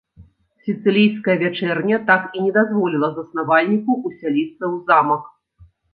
Сіцылійская вячэрня так і не дазволіла заснавальніку усяліцца ў замак.